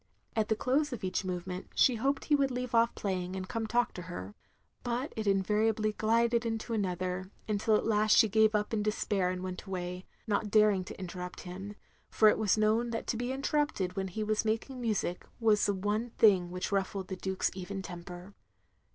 At the close of each movement, she hoped he would leave off playing, and come and talk OP GROSVENOR SQUARE 279 to her; but it invariably glided into another, until at last she gave up in despair and went away ; not daring to interrupt him; for it was known that to be interrupted when he was making music was the one thing which ruffled the Duke's even temper.